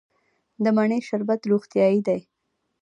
د مڼې شربت روغتیایی دی.